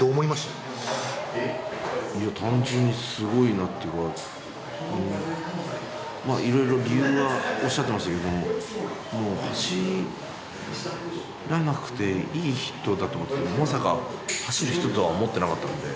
いや、単純にすごいなっていうか、まあ、いろいろ理由はおっしゃってましたけど、もう走らなくていい人だと思ったら、まさか走る人とは思ってなかったんで。